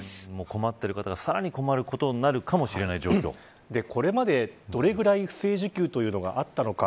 困っている方が、さらに困ることになるかもしれないこれまで、どれくらい不正受給というのがあったのか。